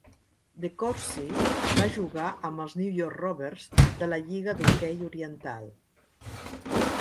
DeCourcy va jugar amb els New York Rovers de la Lliga d'Hoquei Oriental.